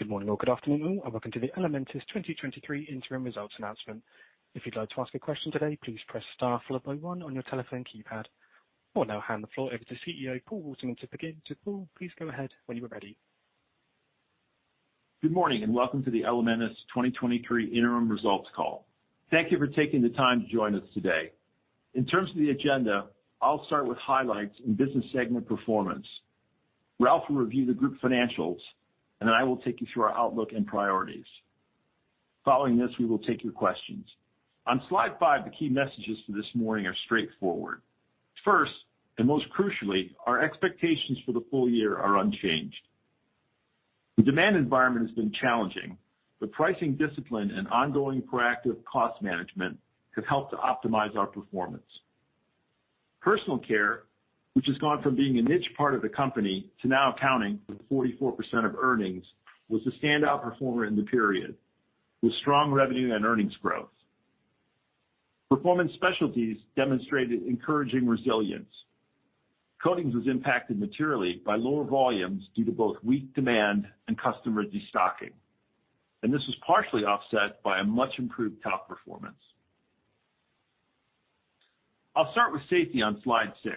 Good morning or good afternoon, and welcome to the Elementis 2023 interim results announcement. If you'd like to ask a question today, please press star followed by one on your telephone keypad. I will now hand the floor over to CEO Paul Waterman to begin. Paul, please go ahead when you are ready. Good morning, and welcome to the Elementis 2023 interim results call. Thank you for taking the time to join us today. In terms of the agenda, I'll start with highlights and business segment performance. Ralph will review the group financials, and then I will take you through our outlook and priorities. Following this, we will take your questions. On slide 5, the key messages for this morning are straightforward. First, and most crucially, our expectations for the full year are unchanged. The demand environment has been challenging, but pricing discipline and ongoing proactive cost management have helped to optimize our performance. Personal Care, which has gone from being a niche part of the company to now accounting for 44% of earnings, was the standout performer in the period, with strong revenue and earnings growth. Performance Specialties demonstrated encouraging resilience. Coatings was impacted materially by lower volumes due to both weak demand and customer destocking, and this was partially offset by a much improved Talc performance. I'll start with safety on slide 6.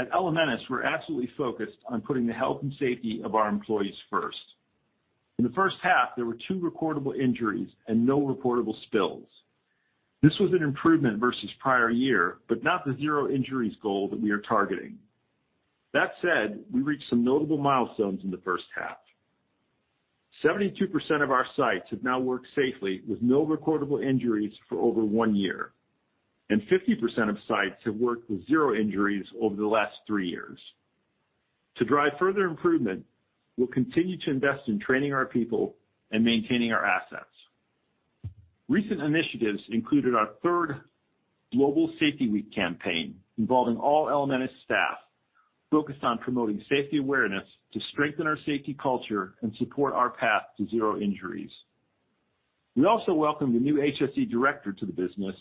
At Elementis, we're absolutely focused on putting the health and safety of our employees first. In the first half, there were two recordable injuries and no reportable spills. This was an improvement versus prior year, but not the zero injuries goal that we are targeting. That said, we reached some notable milestones in the first half. 72% of our sites have now worked safely with no recordable injuries for over one year, and 50% of sites have worked with zero injuries over the last three years. To drive further improvement, we'll continue to invest in training our people and maintaining our assets. Recent initiatives included our third Global Safety Week campaign, involving all Elementis staff, focused on promoting safety awareness to strengthen our safety culture and support our path to zero injuries. We also welcomed a new HSE director to the business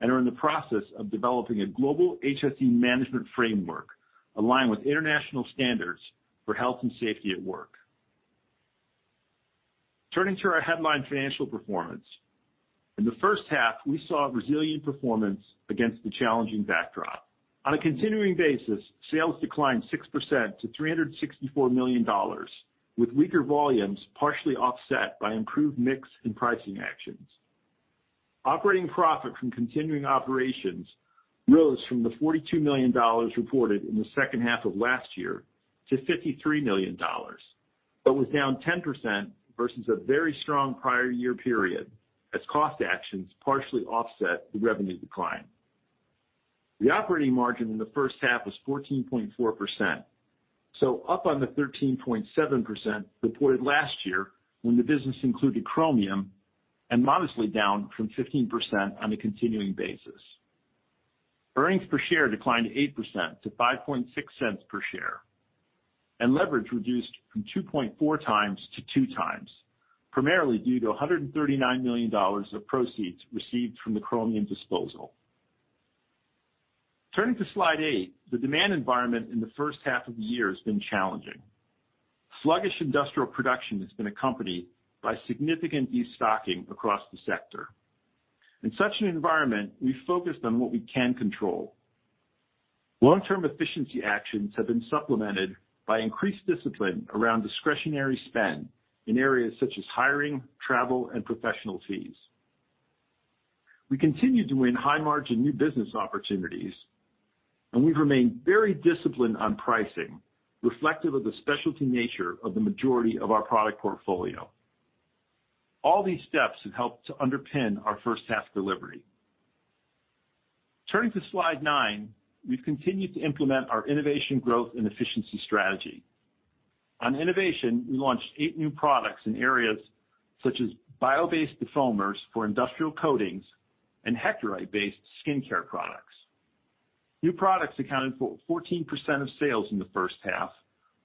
and are in the process of developing a global HSE management framework aligned with international standards for health and safety at work. Turning to our headline financial performance. In the first half, we saw a resilient performance against the challenging backdrop. On a continuing basis, sales declined 6% to $364 million, with weaker volumes partially offset by improved mix and pricing actions. Operating profit from continuing operations rose from the $42 million reported in the second half of last year to $53 million, but was down 10% versus a very strong prior year period, as cost actions partially offset the revenue decline. The operating margin in the first half was 14.4%, so up on the 13.7% reported last year when the business included Chromium, and modestly down from 15% on a continuing basis. Earnings per share declined 8% to $0.056 per share. Leverage reduced from 2.4x to 2x, primarily due to $139 million of proceeds received from the Chromium disposal. Turning to slide 8, the demand environment in the first half of the year has been challenging. Sluggish industrial production has been accompanied by significant destocking across the sector. In such an environment, we've focused on what we can control. Long-term efficiency actions have been supplemented by increased discipline around discretionary spend in areas such as hiring, travel, and professional fees. We continue to win high-margin new business opportunities, and we've remained very disciplined on pricing, reflective of the specialty nature of the majority of our product portfolio. All these steps have helped to underpin our first half delivery. Turning to slide 9, we've continued to implement our innovation, growth, and efficiency strategy. On innovation, we launched eight new products in areas such as bio-based foamers for industrial coatings and hectorite-based skincare products. New products accounted for 14% of sales in the first half,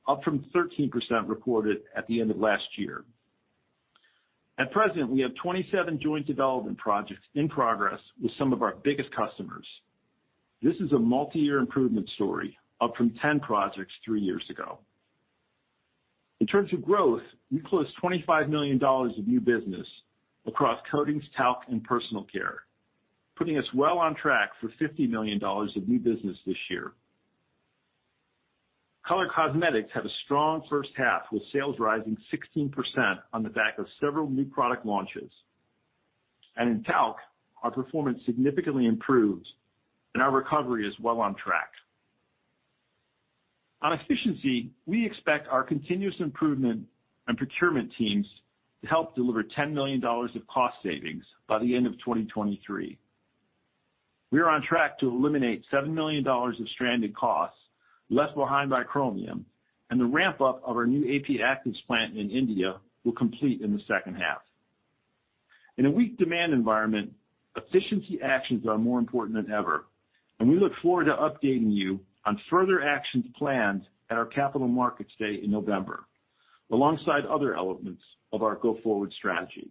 up from 13% recorded at the end of last year. At present, we have 27 joint development projects in progress with some of our biggest customers. This is a multi-year improvement story, up from 10 projects three years ago. In terms of growth, we closed $25 million of new business across Coatings, Talc, and Personal Care, putting us well on track for $50 million of new business this year. Color cosmetics had a strong first half, with sales rising 16% on the back of several new product launches. In Talc, our performance significantly improved, and our recovery is well on track. On efficiency, we expect our continuous improvement and procurement teams to help deliver $10 million of cost savings by the end of 2023. We are on track to eliminate $7 million of stranded costs left behind by Chromium, and the ramp-up of our new AP Actives plant in India will complete in the second half. In a weak demand environment, efficiency actions are more important than ever, and we look forward to updating you on further actions planned at our Capital Markets Day in November, alongside other elements of our go-forward strategy.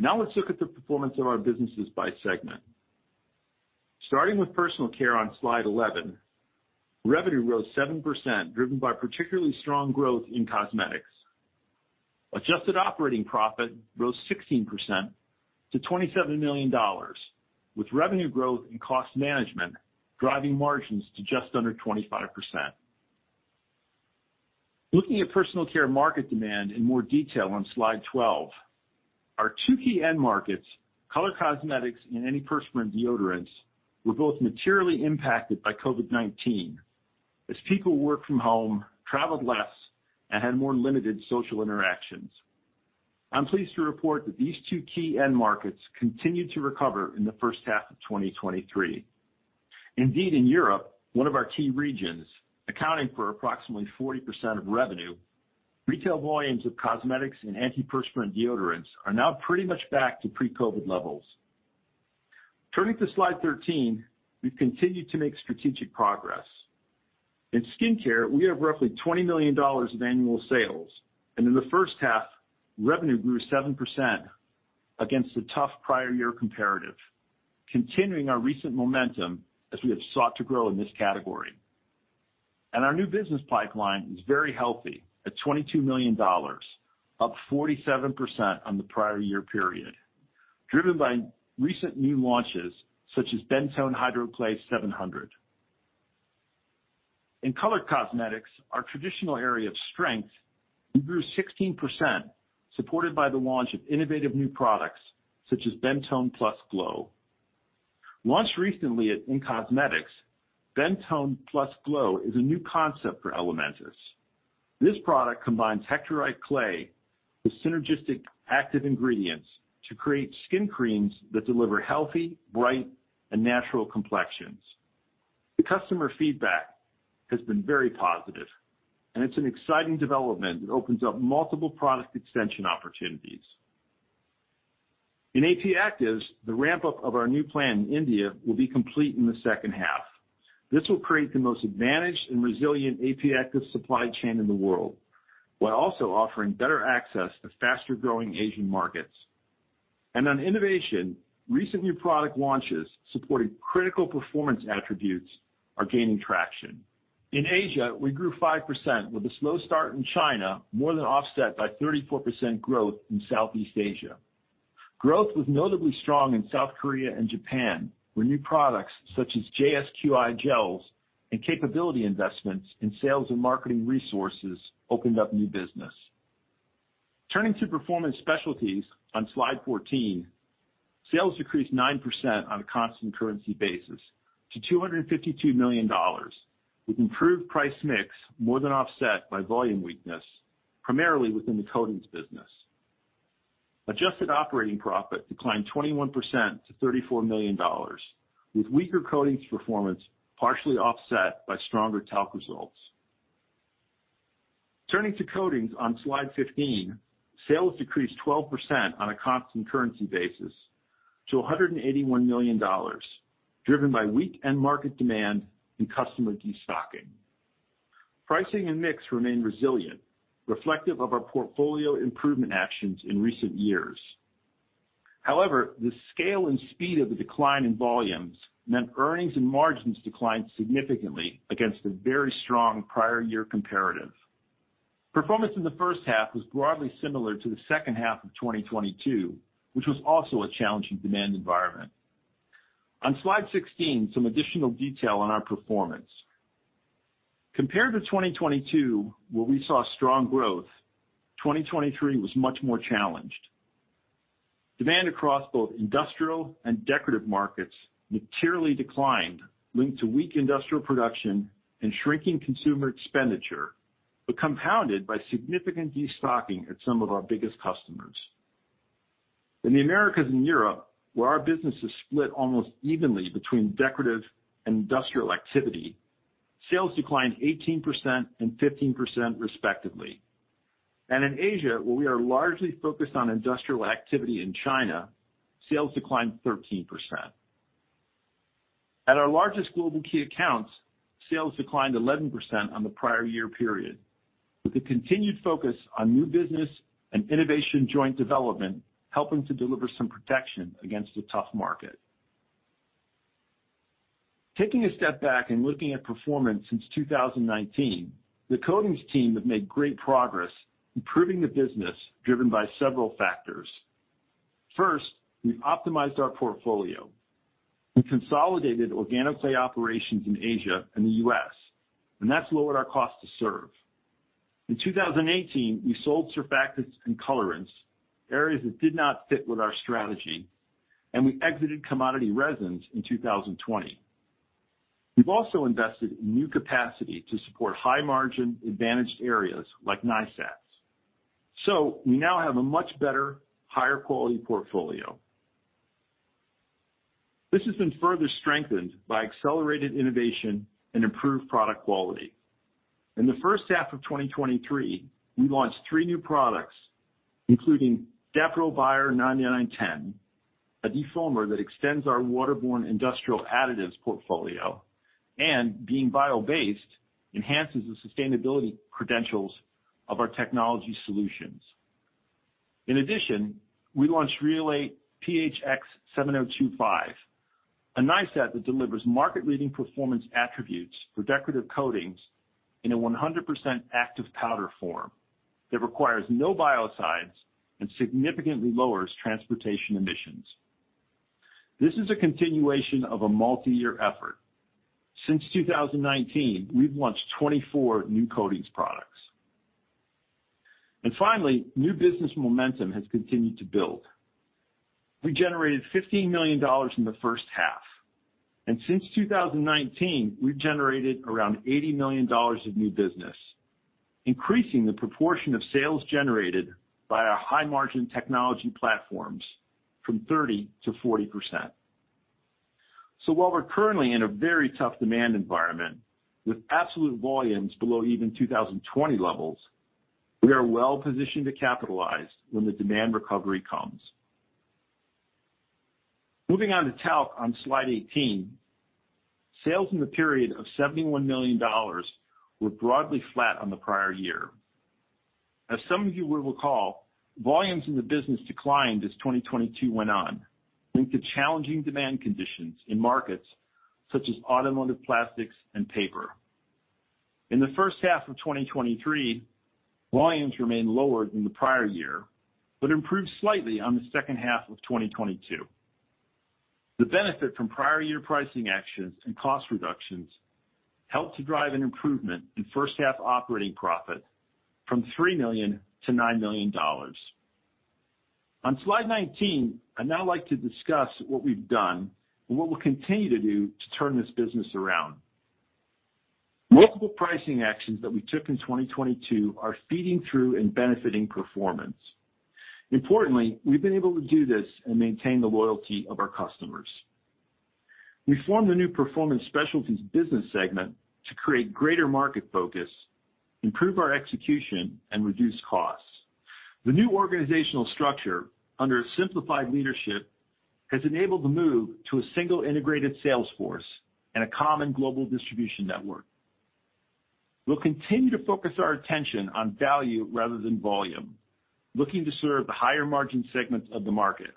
Let's look at the performance of our businesses by segment. Starting with Personal Care on slide 11, revenue rose 7%, driven by particularly strong growth in cosmetics. Adjusted operating profit rose 16% to $27 million, with revenue growth and cost management driving margins to just under 25%. Looking at Personal Care market demand in more detail on slide 12, our two key end markets, color cosmetics and antiperspirant deodorants, were both materially impacted by COVID-19 as people worked from home, traveled less, and had more limited social interactions. I'm pleased to report that these two key end markets continued to recover in the first half of 2023. Indeed, in Europe, one of our key regions, accounting for approximately 40% of revenue, retail volumes of cosmetics and antiperspirant deodorants are now pretty much back to pre-COVID levels. Turning to slide 13, we've continued to make strategic progress. In skincare, we have roughly $20 million of annual sales, in the first half, revenue grew 7% against a tough prior year comparative, continuing our recent momentum as we have sought to grow in this category. Our new business pipeline is very healthy at $22 million, up 47% on the prior year period, driven by recent new launches such as BENTONE HYDROCLAY 700. In colored cosmetics, our traditional area of strength, we grew 16%, supported by the launch of innovative new products such as BENTONE PLUS GLOW. Launched recently at in-cosmetics, BENTONE PLUS GLOW is a new concept for Elementis. This product combines hectorite clay with synergistic active ingredients to create skin creams that deliver healthy, bright, and natural complexions. The customer feedback has been very positive. It's an exciting development that opens up multiple product extension opportunities. In AP Actives, the ramp-up of our new plant in India will be complete in the second half. This will create the most advantaged and resilient AP Active supply chain in the world, while also offering better access to faster-growing Asian markets. On innovation, recent new product launches supporting critical performance attributes are gaining traction. In Asia, we grew 5%, with a slow start in China, more than offset by 34% growth in Southeast Asia. Growth was notably strong in South Korea and Japan, where new products such as JSQI gels and capability investments in sales and marketing resources opened up new business. Turning to Performance Specialties on slide 14, sales decreased 9% on a constant currency basis to $252 million, with improved price mix more than offset by volume weakness, primarily within the Coatings business. Adjusted operating profit declined 21% to $34 million, with weaker Coatings performance partially offset by stronger Talc results. Turning to Coatings on slide 15, sales decreased 12% on a constant currency basis to $181 million, driven by weak end market demand and customer destocking. Pricing and mix remained resilient, reflective of our portfolio improvement actions in recent years. However, the scale and speed of the decline in volumes meant earnings and margins declined significantly against a very strong prior year comparative. Performance in the first half was broadly similar to the second half of 2022, which was also a challenging demand environment. On slide 16, some additional detail on our performance. Compared to 2022, where we saw strong growth, 2023 was much more challenged. Demand across both industrial and decorative markets materially declined, linked to weak industrial production and shrinking consumer expenditure, but compounded by significant destocking at some of our biggest customers. In the Americas and Europe, where our business is split almost evenly between decorative and industrial activity, sales declined 18% and 15%, respectively. In Asia, where we are largely focused on industrial activity in China, sales declined 13%. At our largest global key accounts, sales declined 11% on the prior year period, with a continued focus on new business and innovation joint development helping to deliver some protection against a tough market. Taking a step back and looking at performance since 2019, the Coatings team have made great progress improving the business, driven by several factors. First, we've optimized our portfolio and consolidated organic clay operations in Asia and the US, that's lowered our cost to serve. In 2018, we sold surfactants and colorants, areas that did not fit with our strategy, we exited commodity resins in 2020. We've also invested in new capacity to support high-margin, advantaged areas like NiSAT. We now have a much better, higher quality portfolio. This has been further strengthened by accelerated innovation and improved product quality. In the first half of 2023, we launched three new products, including DAPRO BIO 9910, a defoamer that extends our waterborne industrial additives portfolio, and being bio-based, enhances the sustainability credentials of our technology solutions. We launched RHEOLATE PHX 7025, a NiSAT that delivers market-leading performance attributes for decorative Coatings in a 100% active powder form that requires no biocides and significantly lowers transportation emissions. This is a continuation of a multi-year effort. Since 2019, we've launched 24 new Coatings products. Finally, new business momentum has continued to build. We generated $15 million in the first half, since 2019, we've generated around $80 million of new business, increasing the proportion of sales generated by our high-margin technology platforms from 30%-40%. While we're currently in a very tough demand environment, with absolute volumes below even 2020 levels, we are well positioned to capitalize when the demand recovery comes. Moving on to Talc on Slide 18, sales in the period of $71 million were broadly flat on the prior year. As some of you will recall, volumes in the business declined as 2022 went on, linked to challenging demand conditions in markets such as automotive, plastics, and paper. In the first half of 2023, volumes remained lower than the prior year, but improved slightly on the second half of 2022. The benefit from prior year pricing actions and cost reductions helped to drive an improvement in first half operating profit from $3 million-$9 million. On Slide 19, I'd now like to discuss what we've done and what we'll continue to do to turn this business around. Multiple pricing actions that we took in 2022 are feeding through and benefiting performance. Importantly, we've been able to do this and maintain the loyalty of our customers. We formed a new Performance Specialties business segment to create greater market focus, improve our execution, and reduce costs. The new organizational structure, under a simplified leadership, has enabled the move to a single integrated sales force and a common global distribution network. We'll continue to focus our attention on value rather than volume, looking to serve the higher margin segments of the market.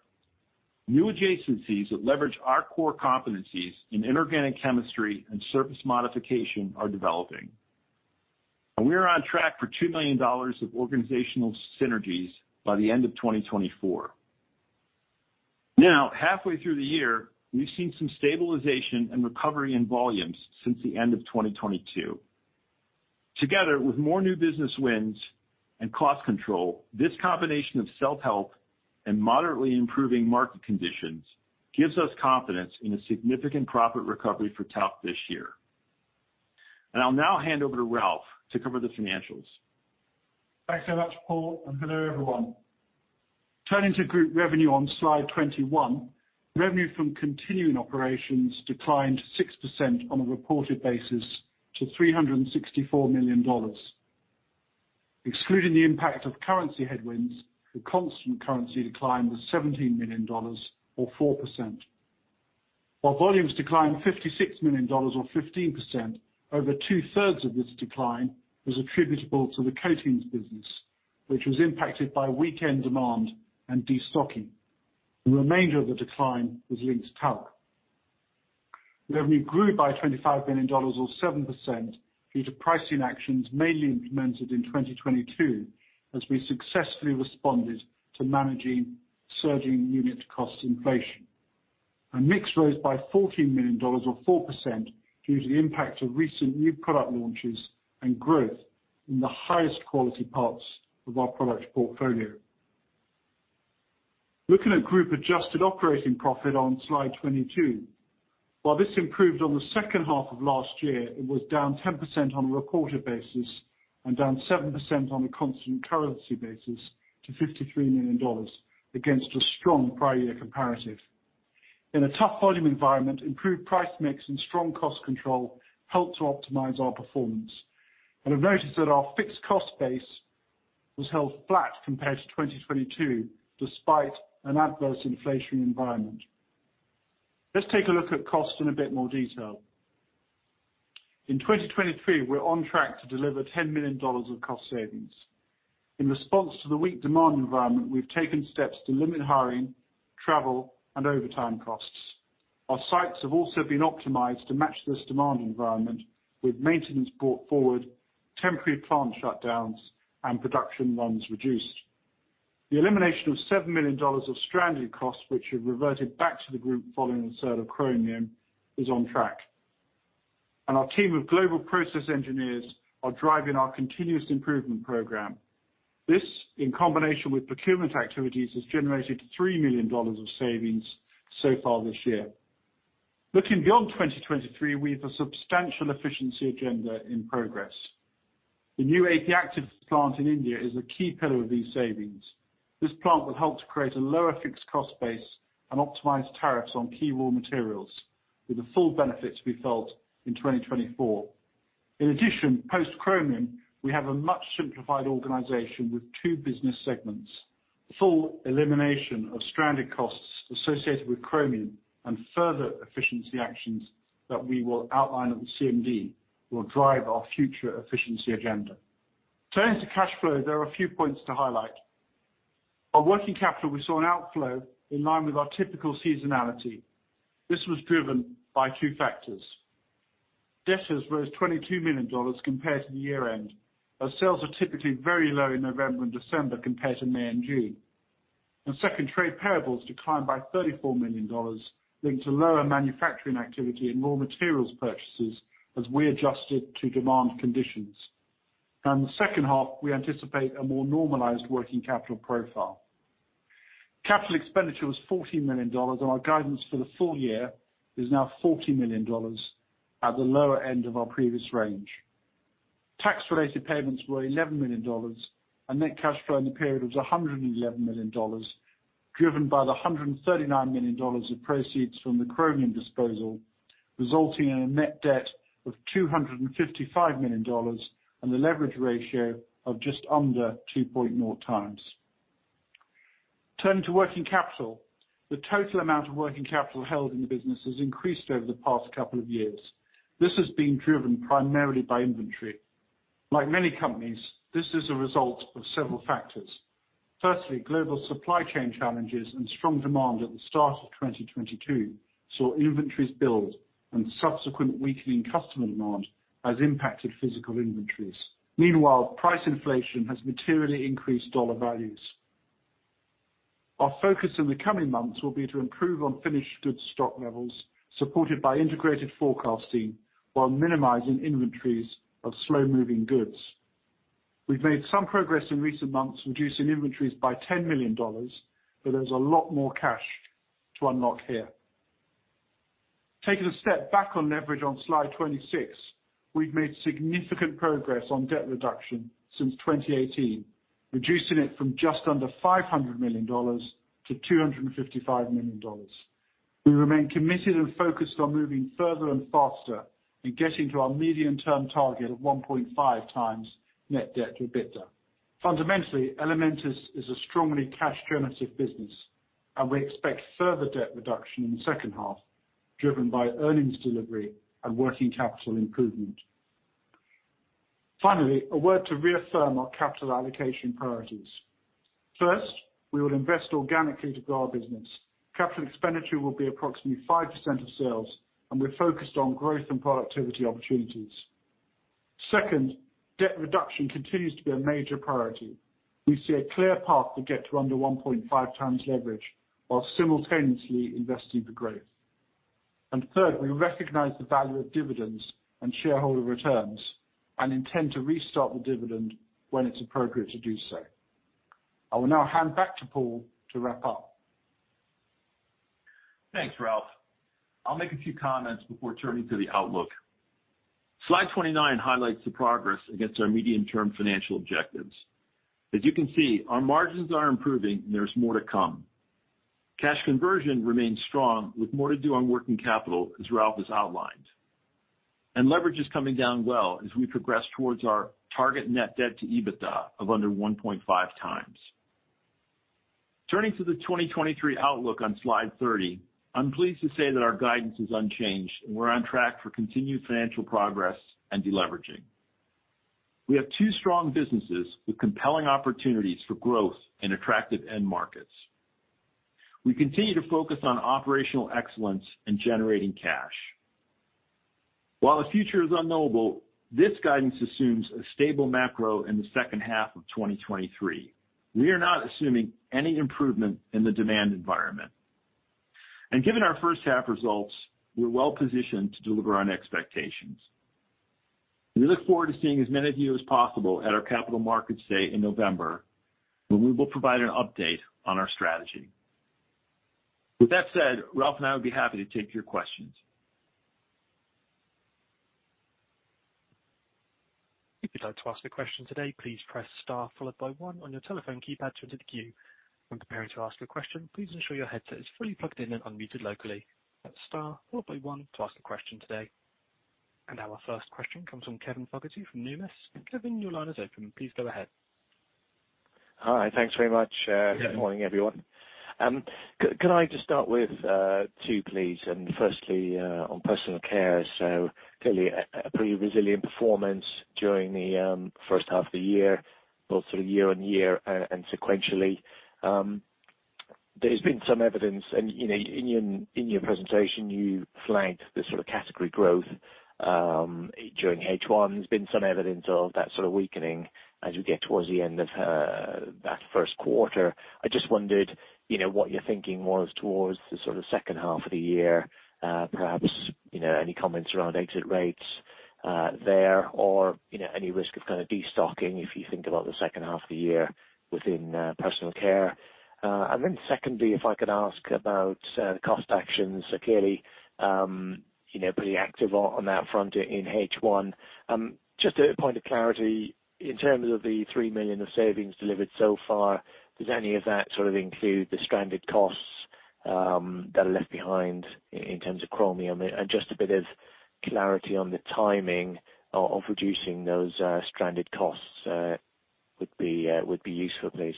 New adjacencies that leverage our core competencies in inorganic chemistry and surface modification are developing. We are on track for $2 million of organizational synergies by the end of 2024. Halfway through the year, we've seen some stabilization and recovery in volumes since the end of 2022. Together, with more new business wins and cost control, this combination of self-help and moderately improving market conditions gives us confidence in a significant profit recovery for talc this year. I'll now hand over to Ralph to cover the financials. Thanks so much, Paul, and hello, everyone. Turning to group revenue on Slide 21, revenue from continuing operations declined 6% on a reported basis to $364 million. Excluding the impact of currency headwinds, the constant currency decline was $17 million, or 4%. While volumes declined $56 million, or 15%, over two-thirds of this decline was attributable to the Coatings business, which was impacted by weakened demand and destocking. The remainder of the decline was linked to Talc. Revenue grew by $25 million or 7% due to pricing actions mainly implemented in 2022, as we successfully responded to managing surging unit cost inflation. Mix rose by $14 million or 4% due to the impact of recent new product launches and growth in the highest quality parts of our product portfolio. Looking at group adjusted operating profit on Slide 22. While this improved on the second half of last year, it was down 10% on a reported basis and down 7% on a constant currency basis to $53 million, against a strong prior year comparative. In a tough volume environment, improved price mix and strong cost control helped to optimize our performance. I've noticed that our fixed cost base was held flat compared to 2022, despite an adverse inflationary environment. Let's take a look at cost in a bit more detail. In 2023, we're on track to deliver $10 million of cost savings. In response to the weak demand environment, we've taken steps to limit hiring, travel, and overtime costs. Our sites have also been optimized to match this demand environment with maintenance brought forward, temporary plant shutdowns, and production runs reduced. The elimination of $7 million of stranded costs, which have reverted back to the group following the sale of Chromium, is on track. Our team of global process engineers are driving our continuous improvement program. This, in combination with procurement activities, has generated $3 million of savings so far this year. Looking beyond 2023, we have a substantial efficiency agenda in progress. The new AP Active plant in India is a key pillar of these savings. This plant will help to create a lower fixed cost base and optimize tariffs on key raw materials, with the full benefit to be felt in 2024. In addition, post Chromium, we have a much simplified organization with two business segments. Full elimination of stranded costs associated with Chromium and further efficiency actions that we will outline at the CMD, will drive our future efficiency agenda. Turning to cash flow, there are a few points to highlight. On working capital, we saw an outflow in line with our typical seasonality. This was driven by two factors: Debtors rose $22 million compared to the year-end, as sales are typically very low in November and December compared to May and June. Second, trade payables declined by $34 million, linked to lower manufacturing activity and raw materials purchases, as we adjusted to demand conditions. The second half, we anticipate a more normalized working capital profile. Capital expenditure was $14 million, and our guidance for the full year is now $40 million, at the lower end of our previous range. Tax-related payments were $11 million, and net cash flow in the period was $111 million, driven by the $139 million of proceeds from the Chromium disposal, resulting in a net debt of $255 million, and a leverage ratio of just under 2.0x. Turning to working capital, the total amount of working capital held in the business has increased over the past couple of years. This has been driven primarily by inventory. Like many companies, this is a result of several factors. Firstly, global supply chain challenges and strong demand at the start of 2022 saw inventories build, and subsequent weakening customer demand has impacted physical inventories. Meanwhile, price inflation has materially increased dollar values. Our focus in the coming months will be to improve on finished goods stock levels, supported by integrated forecasting, while minimizing inventories of slow-moving goods. We've made some progress in recent months, reducing inventories by $10 million. There's a lot more cash to unlock here. Taking a step back on leverage on slide 26, we've made significant progress on debt reduction since 2018, reducing it from just under $500 million to $255 million. We remain committed and focused on moving further and faster in getting to our medium-term target of 1.5x net debt to EBITDA. Fundamentally, Elementis is a strongly cash generative business. We expect further debt reduction in the second half, driven by earnings delivery and working capital improvement. Finally, a word to reaffirm our capital allocation priorities. First, we will invest organically to grow our business. Capital expenditure will be approximately 5% of sales. We're focused on growth and productivity opportunities. Second, debt reduction continues to be a major priority. We see a clear path to get to under 1.5x leverage, while simultaneously investing for growth. Third, we recognize the value of dividends and shareholder returns, and intend to restart the dividend when it's appropriate to do so. I will now hand back to Paul to wrap up. Thanks, Ralph. I'll make a few comments before turning to the outlook. Slide 29 highlights the progress against our medium-term financial objectives. As you can see, our margins are improving, and there's more to come. Cash conversion remains strong, with more to do on working capital, as Ralph has outlined. Leverage is coming down well as we progress towards our target net debt to EBITDA of under 1.5x. Turning to the 2023 outlook on slide 30, I'm pleased to say that our guidance is unchanged, and we're on track for continued financial progress and deleveraging. We have two strong businesses with compelling opportunities for growth in attractive end markets. We continue to focus on operational excellence in generating cash. While the future is unknowable, this guidance assumes a stable macro in the second half of 2023. We are not assuming any improvement in the demand environment. Given our first half results, we're well positioned to deliver on expectations. We look forward to seeing as many of you as possible at our Capital Markets Day in November, when we will provide an update on our strategy. With that said, Ralph and I would be happy to take your questions. If you'd like to ask a question today, please press star followed by 1 on your telephone keypad to enter the queue. When preparing to ask a question, please ensure your headset is fully plugged in and unmuted locally. Press star followed by 1 to ask a question today. Our first question comes from Kevin Fogarty from Numis. Kevin, your line is open. Please go ahead. Hi, thanks very much. Good morning, everyone. Can I just start with two, please? Firstly, on Personal Care, clearly a pretty resilient performance during the first half of the year, both sort of year-over-year, and sequentially. There's been some evidence, and, you know, in your, in your presentation, you flagged the sort of category growth during H1, there's been some evidence of that sort of weakening as you get towards the end of that first quarter. I just wondered, you know, what your thinking was towards the sort of second half of the year, perhaps, you know, any comments around exit rates there, or, you know, any risk of kind of destocking, if you think about the second half of the year within Personal Care? Secondly, if I could ask about the cost actions. Clearly, you know, pretty active on that front in H1. Just a point of clarity, in terms of the $3 million of savings delivered so far, does any of that sort of include the stranded costs? that are left behind in terms of Chromium? Just a bit of clarity on the timing of reducing those stranded costs would be useful, please.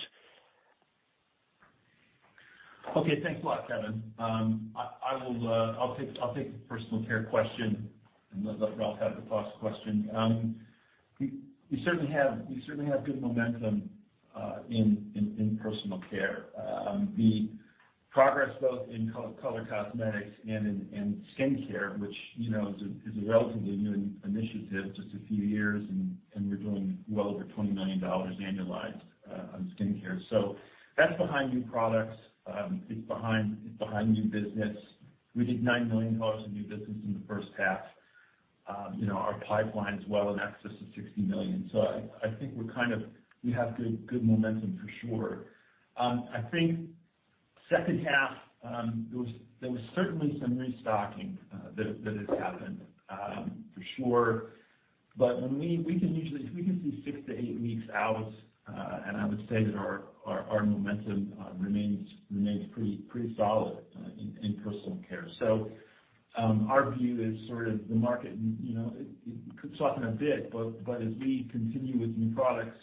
Okay, thanks a lot, Kevin. I'll take the Personal Care question, and let Ralph have the cost question. We certainly have good momentum in Personal Care. The progress, both in color cosmetics and in skincare, which, you know, is a relatively new initiative, just a few years, and we're doing well over $20 million annualized on skincare. That's behind new products. It's behind new business. We did $9 million in new business in the first half. You know, our pipeline is well in excess of $60 million. I think we have good momentum for sure. I think second half, there was certainly some restocking that has happened for sure. When we can usually, we can see six to eight weeks out, and I would say that our momentum remains pretty solid in Personal Care. Our view is sort of the market, you know, it could soften a bit, but as we continue with new products,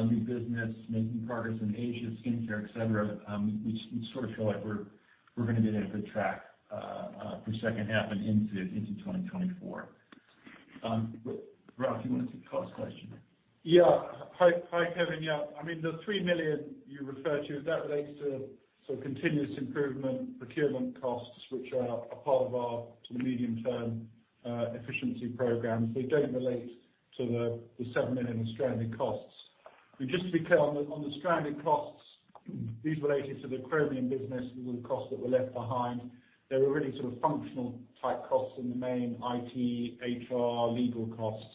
new business, making progress in Asia, skincare, et cetera, we sort of feel like we're gonna be in a good track for second half and into 2024. Ralph, you wanna take the cost question? Yeah. Hi, Kevin. Yeah. I mean, the $3 million you refer to, that relates to sort of continuous improvement, procurement costs, which are a part of our sort of medium-term efficiency program. They don't relate to the $7 million in stranded costs. Just to be clear, on the stranded costs, these related to the Chromium business, with costs that were left behind. They were really sort of functional-type costs in the main, IT, HR, legal costs.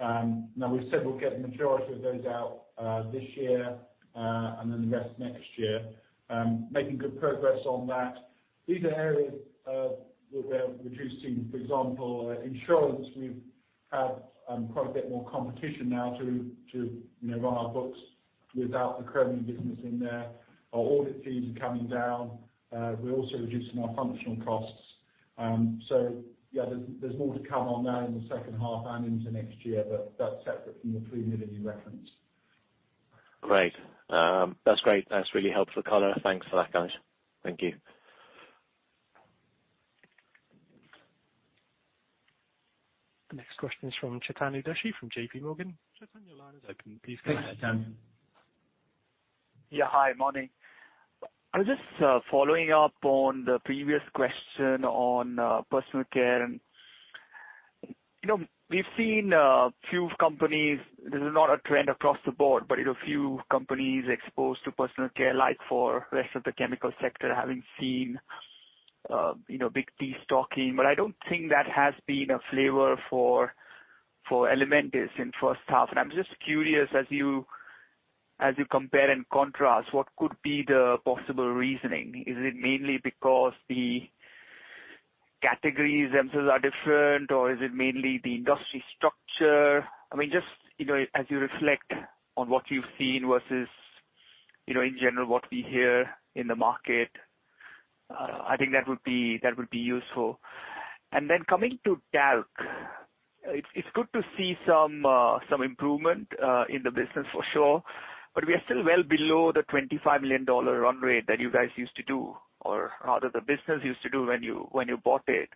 Now, we've said we'll get the majority of those out this year, and then the rest next year. Making good progress on that. These are areas where we're reducing, for example, insurance. We've had quite a bit more competition now to, you know, run our books without the Chromium business in there. Our audit fees are coming down. We're also reducing our functional costs. There's more to come on that in the second half and into next year, but that's separate from the $3 million you referenced. Great. That's great. That's really helpful color. Thanks for that, guys. Thank you. The next question is from Chetan Udeshi from JPMorgan. Chetan, your line is open. Please go ahead. Hi, Chetan. Yeah. Hi, morning. I was just following up on the previous question on personal care. You know, we've seen a few companies, this is not a trend across the board, but, you know, a few companies exposed to personal care, like for rest of the chemical sector, having seen, you know, big destocking. I don't think that has been a flavor for Elementis in first half. I'm just curious, as you, as you compare and contrast, what could be the possible reasoning? Is it mainly because the categories themselves are different, or is it mainly the industry structure? I mean, just, you know, as you reflect on what you've seen versus, you know, in general, what we hear in the market, I think that would be, that would be useful. Coming to talc, it's good to see some improvement in the business for sure, but we are still well below the $25 million run rate that you guys used to do, or rather the business used to do when you, when you bought it.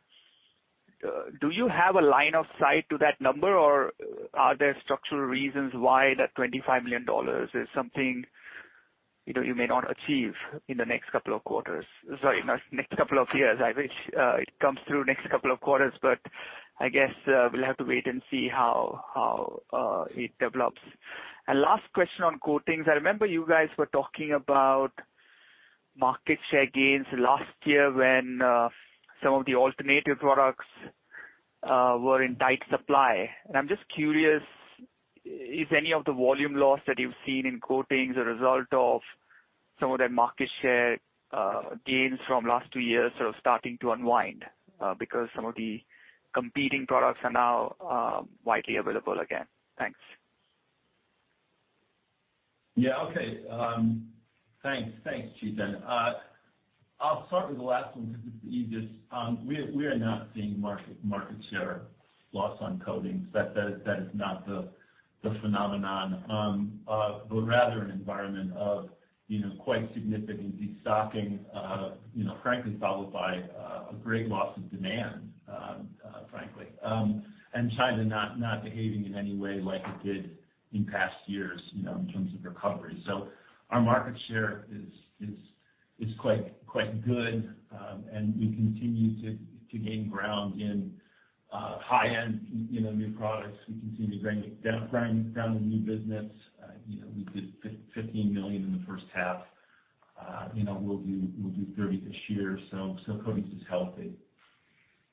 Do you have a line of sight to that number, or are there structural reasons why that $25 million is something, you know, you may not achieve in the next couple of quarters? Sorry, in the next couple of years. I wish it comes through next couple of quarters, but I guess we'll have to wait and see how it develops. Last question on coatings. I remember you guys were talking about market share gains last year when some of the alternative products were in tight supply. I'm just curious, is any of the volume loss that you've seen in coatings a result of some of that market share gains from last two years sort of starting to unwind because some of the competing products are now widely available again? Thanks. Yeah, okay. Thanks, Chetan. I'll start with the last one because it's the easiest. We are not seeing market share loss on Coatings. That is not the phenomenon, but rather an environment of, you know, quite significant destocking, you know, frankly, followed by a great loss of demand, frankly. China not behaving in any way like it did in past years, you know, in terms of recovery. Our market share is quite good, and we continue to gain ground in high end, you know, new products. We continue to bring down the new business. We did $15 million in the first half. We'll do $30 this year, so Coatings is healthy.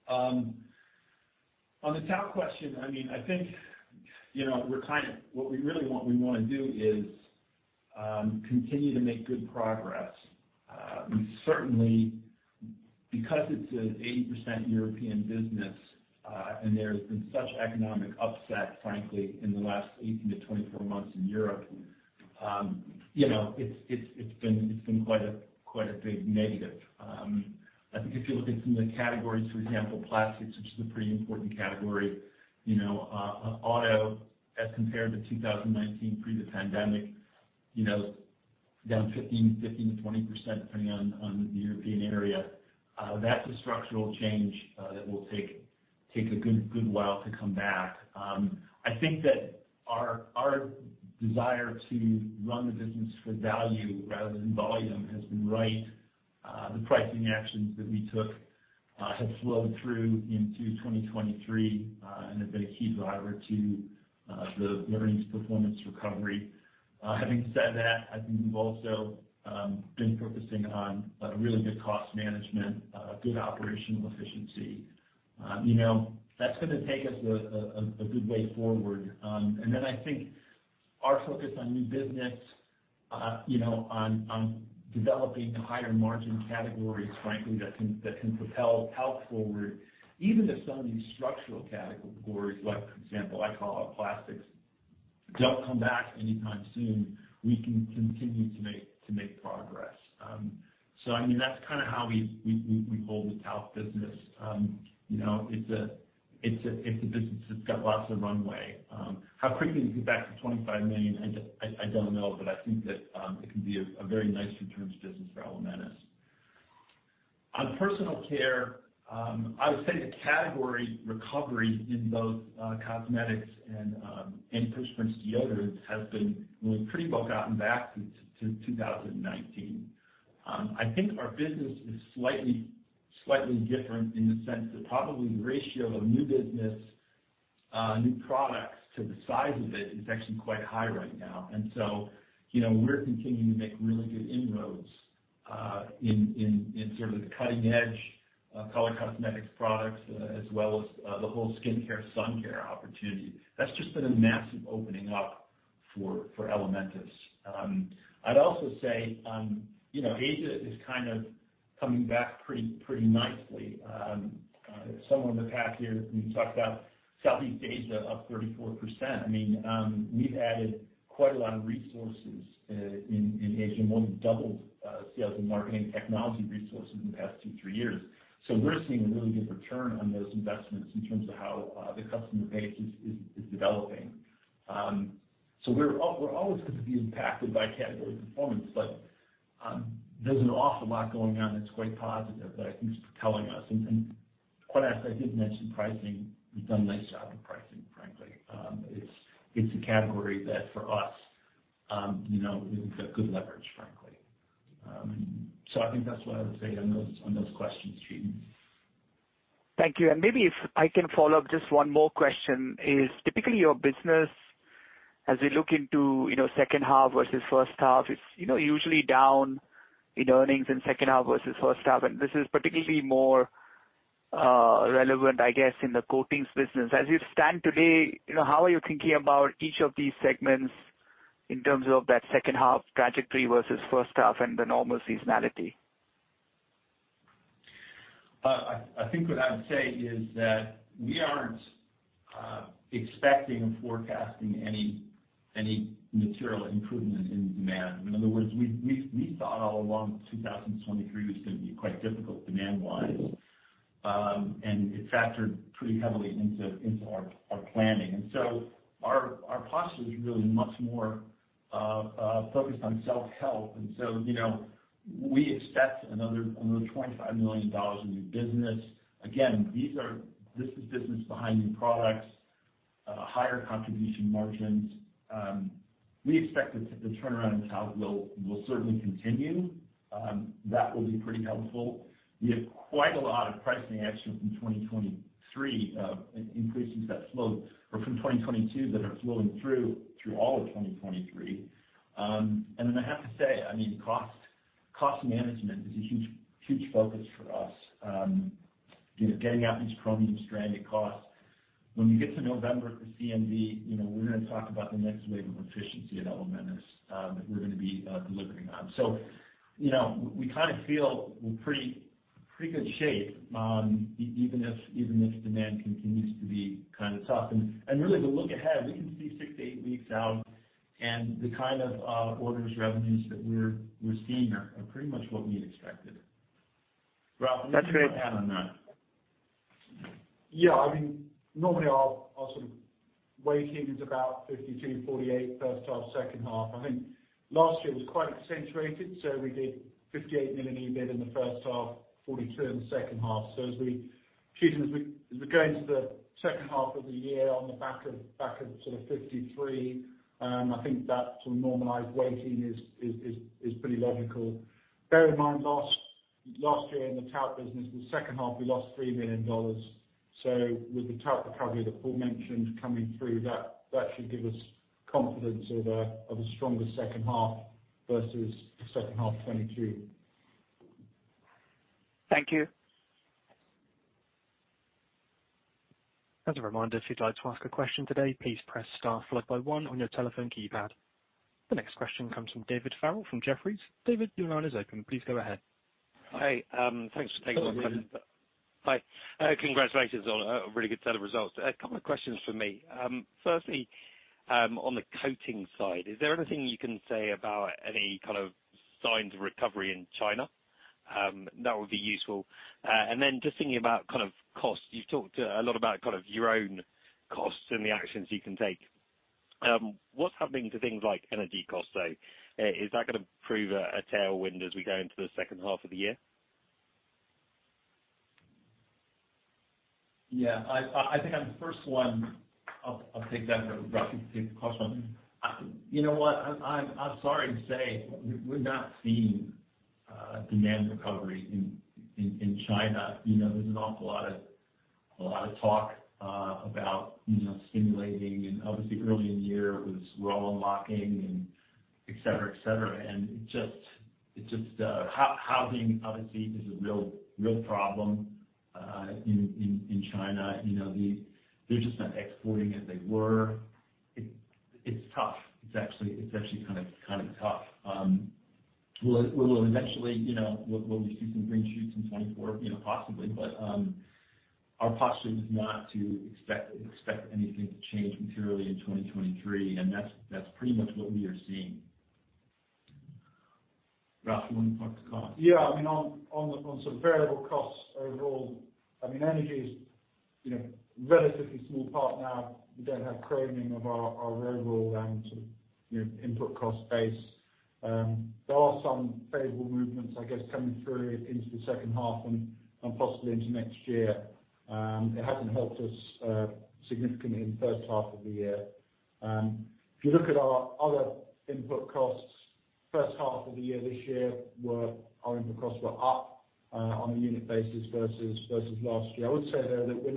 On the talc question, I mean, I think, you know, what we wanna do is continue to make good progress. It's an 80% European business, and there's been such economic upset, frankly, in the last 18-24 months in Europe, you know, it's been quite a big negative. I think if you look at some of the categories, for example, plastics, which is a pretty important category, you know, auto as compared to 2019 pre the pandemic, you know, down 15-20%, depending on the European area. That's a structural change that will take a good while to come back. I think that our desire to run the business for value rather than volume has been right. The pricing actions that we took, have flowed through into 2023, and have been a key driver to the earnings performance recovery. Having said that, I think we've also been focusing on really good cost management, good operational efficiency. You know, that's gonna take us a good way forward. I think our focus on new business, you know, on developing higher margin categories, frankly, that can propel health forward, even if some of these structural categories, like for example, I call out plastics, don't come back anytime soon, we can continue to make progress. I mean, that's kind of how we hold the Talc business. You know, it's a business that's got lots of runway. How quickly it can get back to $25 million, I don't know, but I think that it can be a very nice returns business for Elementis. On Personal Care, I would say the category recovery in both cosmetics and AP Actives deodorants has been really pretty well gotten back to 2019. I think our business is slightly different in the sense that probably the ratio of new business, new products to the size of it is actually quite high right now. You know, we're continuing to make really good inroads in sort of the cutting edge color cosmetics products as well as the whole skincare, sun care opportunity. That's just been a massive opening up for Elementis. I'd also say, you know, Asia is kind of coming back pretty nicely. Somewhere in the past year, we talked about Southeast Asia, up 34%. I mean, we've added quite a lot of resources in Asia, more than doubled sales and marketing technology resources in the past two, three years. We're seeing a really good return on those investments in terms of how the customer base is developing. We're always going to be impacted by category performance, but there's an awful lot going on that's quite positive that I think is telling us. Quite honestly, I did mention pricing. We've done a nice job with pricing, frankly. It's, it's a category that for us, you know, we've got good leverage, frankly. I think that's what I would say on those, on those questions, Chetan. Thank you. Maybe if I can follow up, just one more question, is typically your business, as we look into, you know, second half versus first half, it's, you know, usually down in earnings in second half versus first half, and this is particularly more relevant, I guess, in the Coatings business? As you stand today, you know, how are you thinking about each of these segments in terms of that second half trajectory versus first half and the normal seasonality? I think what I would say is that we aren't expecting or forecasting any material improvement in demand. In other words, we thought all along 2023 was going to be quite difficult demand-wise, and it factored pretty heavily into our planning. Our posture is really much more focused on self-help. you know, we expect another $25 million in new business. Again, this is business behind new products, higher contribution margins. We expect the turnaround in talent will certainly continue. That will be pretty helpful. We have quite a lot of pricing action from 2023, increases that flow or from 2022 that are flowing through all of 2023. I have to say, I mean, cost management is a huge focus for us. You know, getting out these Chromium stranded costs. When we get to November for CMV, you know, we're gonna talk about the next wave of efficiency at Elementis that we're gonna be delivering on. You know, we kind of feel we're in pretty good shape even if demand continues to be kind of tough. Really, the look ahead, we can see six to eight weeks out, and the kind of orders, revenues that we're seeing are pretty much what we had expected. Ralph, maybe you want to add on that. I mean, normally our sort of weighting is about $52 million, $48 million, first half, second half. I think last year was quite accentuated, we did $58 million EBITDA in the first half, $42 million in the second half. Chetan, as we go into the second half of the year on the back of, back of sort of $53 million, I think that sort of normalized weighting is pretty logical. Bear in mind, last year in the Talc business, the second half, we lost $3 million. With the Talc recovery that Paul mentioned coming through, that should give us confidence of a stronger second half versus the second half of 2022. Thank you. As a reminder, if you'd like to ask a question today, please press star followed by one on your telephone keypad. The next question comes from David Farrell from Jefferies. David, your line is open. Please go ahead. Hey, thanks for taking my question. Hi. Congratulations on a really good set of results. A couple of questions from me. Firstly, on the Coatings side, is there anything you can say about any kind of signs of recovery in China? That would be useful. Just thinking about kind of costs. You've talked a lot about kind of your own costs and the actions you can take. What's happening to things like energy costs, though? Is that going to prove a tailwind as we go into the second half of the year? Yeah, I think on the first one, I'll take that roughly take the question. You know what? I'm sorry to say, we're not seeing demand recovery in China. You know, there's an awful lot of talk about, you know, stimulating, and obviously, earlier in the year, it was we're all unlocking and et cetera, et cetera. Housing, obviously, is a real problem in China. You know, they're just not exporting as they were. It's tough. It's actually kind of tough. Well, eventually, you know, we'll be seeing some green shoots in 2024, you know, possibly. Our posture is not to expect anything to change materially in 2023, and that's pretty much what we are seeing. Ralph, you want to talk to cost? Yeah, I mean, on some variable costs overall, I mean, energy is, you know, relatively small part now. We don't have Chromium of our overall, you know, input cost base. There are some favorable movements, I guess, coming through into the second half and possibly into next year. It hasn't helped us significantly in the first half of the year. If you look at our other input costs, first half of the year, this year, our input costs were up on a unit basis versus last year. I would say, though, that we're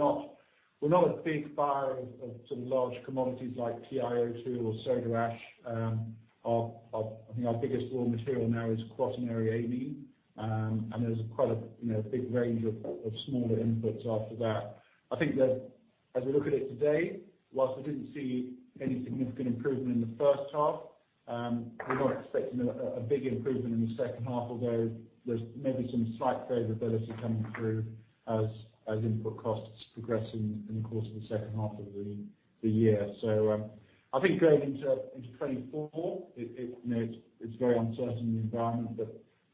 not a big buyer of some large commodities like TiO2 or soda ash. Our, I think our biggest raw material now is quaternary amine. There's quite a, you know, big range of smaller inputs after that. I think that as we look at it today, whilst we didn't see any significant improvement in the first half, we're not expecting a big improvement in the second half, although there's maybe some slight favorability coming through as input costs progress in the course of the second half of the year. I think going into 2024, you know, it's very uncertain environment.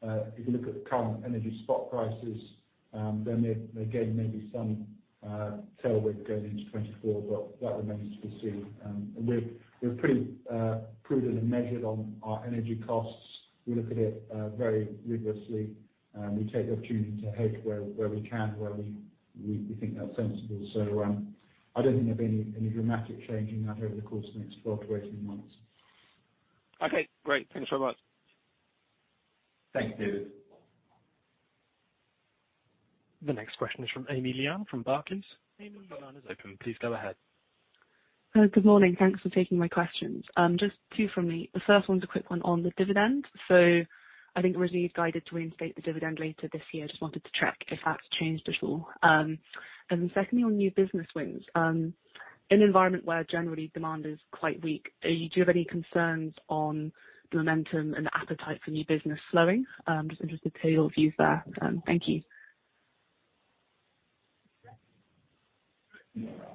If you look at the current energy spot prices, there again, maybe some tailwind going into 2024, that remains to be seen. We're pretty prudent and measured on our energy costs. We look at it, very rigorously, and we take the opportunity to hedge where we can, where we think that's sensible. I don't think there'll be any dramatic change in that over the course of the next 12 to 18 months. Okay, great. Thanks very much. Thank you. The next question is from Amy Lian from Barclays. Amy, your line is open. Please go ahead. Good morning. Thanks for taking my questions. Just two from me. The first one's a quick one on the dividend. I think originally you've guided to reinstate the dividend later this year. Just wanted to check if that's changed at all. Then secondly, on new business wins. In an environment where generally demand is quite weak, do you have any concerns on the momentum and appetite for new business slowing? Just interested to hear your views there. Thank you.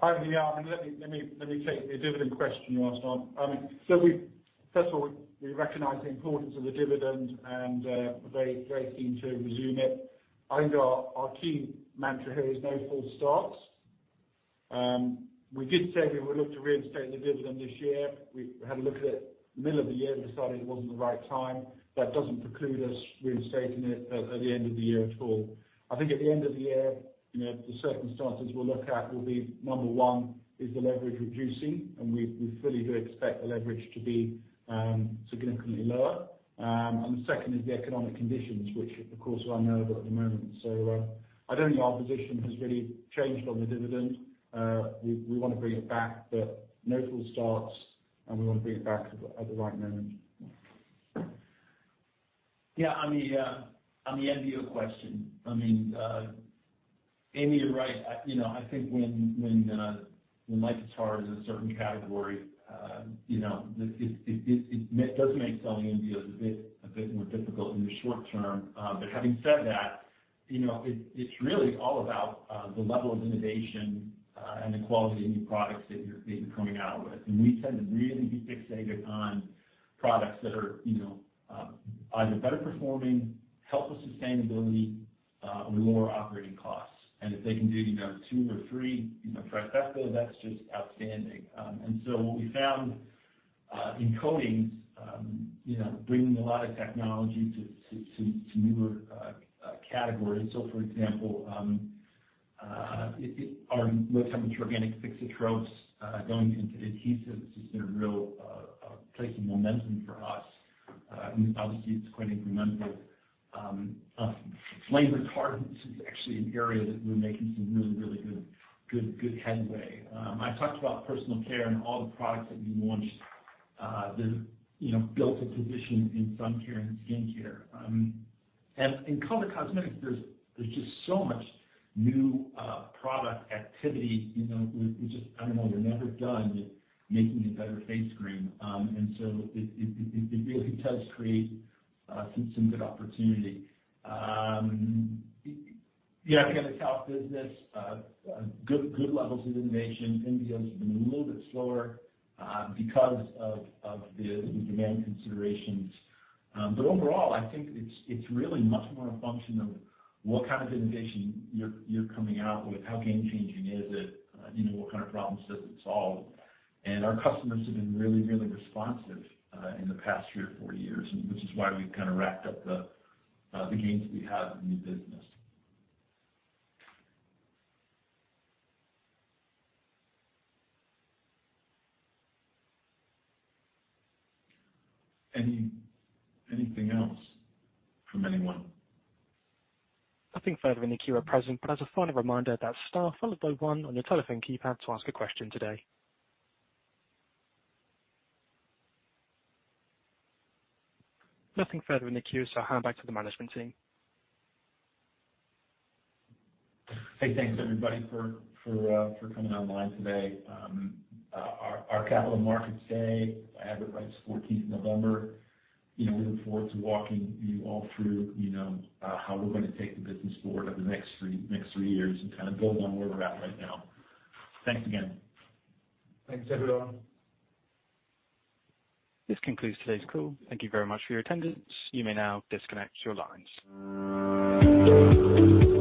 Hi, Amy Lian. Let me take the dividend question you asked on. First of all, we recognize the importance of the dividend and very keen to resume it. I think our key mantra here is no false starts. We did say we would look to reinstate the dividend this year. We had a look at it in the middle of the year and decided it wasn't the right time. That doesn't preclude us reinstating it at the end of the year at all. I think at the end of the year, you know, the circumstances we'll look at will be, number one, is the leverage reducing? We fully do expect the leverage to be significantly lower. The second is the economic conditions, which of course are unknowable at the moment. I don't think our position has really changed on the dividend. We wanna bring it back, but no false starts, and we wanna bring it back at the right moment. Yeah, on the end of your question, I mean, Amy, you're right. You know, I think when life is hard in a certain category, you know, it does make selling NBOs a bit more difficult in the short term. Having said that, you know, it's really all about the level of innovation and the quality of new products that you're coming out with. We tend to really be fixated on products that are, you know, either better performing, help with sustainability, or lower operating costs. If they can do, you know, two or three, you know, for instance, that's just outstanding. What we found in Coatings, you know, bringing a lot of technology to newer categories. For example, our low-temperature organic thixotropes going into adhesives has been a real place of momentum for us. Obviously, it's quite incremental. Flame retardants is actually an area that we're making some really good headway. I talked about Personal Care and all the products that we launched that, you know, built a position in sun care and skin care. In color cosmetics, there's just so much new product activity. You know, I don't know, we're never done making a better face cream. It really does create some good opportunity. Yeah, I think in the health business, good levels of innovation. NBOs have been a little bit slower because of the demand considerations. Overall, I think it's really much more a function of what kind of innovation you're coming out with, how game-changing is it? You know, what kind of problems does it solve? Our customers have been really, really responsive, in the past three or four years, which is why we've kind of racked up the gains we have in new business. Anything else from anyone? Nothing further in the queue at present. As a final reminder, that's Star followed by one on your telephone keypad to ask a question today. Nothing further in the queue, I'll hand back to the management team. Hey, thanks, everybody, for coming online today. Our Capital Markets Day, if I have it right, it's 14th of November. You know, we look forward to walking you all through, you know, how we're gonna take the business forward over the next three years and kind of build on where we're at right now. Thanks again. Thanks, everyone. This concludes today's call. Thank you very much for your attendance. You may now disconnect your lines.